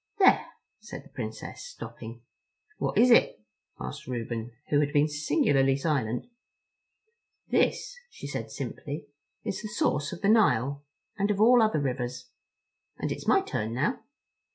"There," said the Princess, stopping. "What is it?" asked Reuben, who had been singularly silent. "This," she said simply, "is the source of the Nile. And of all other rivers. And it's my turn now.